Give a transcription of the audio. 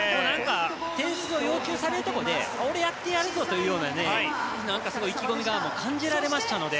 点数を要求されるところで俺やってやるぞという意気込みが感じられましたので。